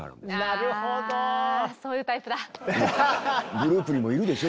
グループにもいるでしょ？